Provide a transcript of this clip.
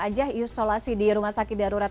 aja isolasi di rumah sakit darurat